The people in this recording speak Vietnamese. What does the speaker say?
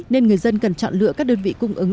nên người dân cần chọn lựa các đơn vị cung ứng